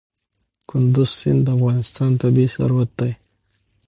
کندز سیند د افغانستان طبعي ثروت دی.